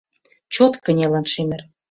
Чот кынелын шемер!